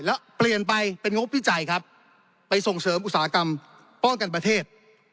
แล้วเปลี่ยนไปเป็นงบวิจัยครับไปส่งเสริมอุตสาหกรรมป้องกันประเทศ